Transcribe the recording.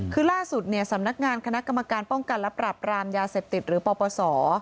คือล่าสุดสำนักงานคณะกรรมการป้องกันและปรับรามยาเสพติดหรือปปศ